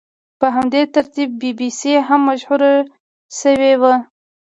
په همدې ترتیب بي بي سي هم مشهوره شوې وه.